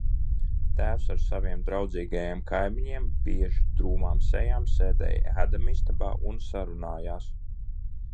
Tēvs ar saviem draudzīgajiem kaimiņiem bieži drūmām sejām sēdēja ēdamistabā un sarunājās.